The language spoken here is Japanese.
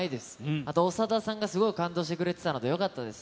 あと長田さんがすごい感動してくれてたのでよかったです。